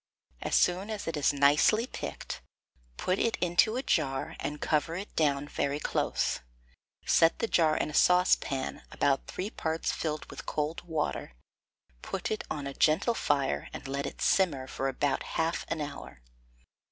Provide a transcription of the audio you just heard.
As soon as it is nicely picked, put it into a jar, and cover it down very close. Set the jar in a saucepan, about three parts filled with cold water; put it on a gentle fire, and let it simmer for about half an hour.